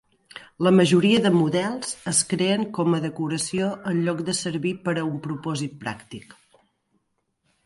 La majoria de models es creen com a decoració en lloc de servir per a un propòsit pràctic.